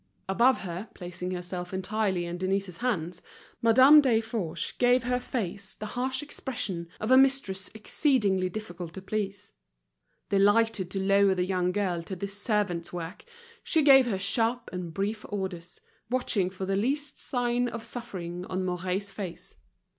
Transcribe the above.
Above her placing herself entirely in Denise's hands, Madame Desforges gave her face the harsh expression of a mistress exceedingly difficult to please. Delighted to lower the young girl to this servant's work, she gave her sharp and brief orders, watching for the least sign of suffering on Mouret's face.